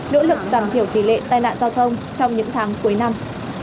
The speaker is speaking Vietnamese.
nỗ lực giảm thiểu tỷ lệ tai nạn giao thông trong những tháng cuối năm